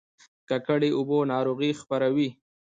ککړې اوبه ناروغي خپروي